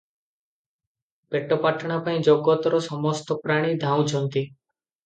ପେଟ ପାଟଣା ପାଇଁ ଜଗତର ସମସ୍ତପ୍ରାଣୀ ଧାଉଁଛନ୍ତି ।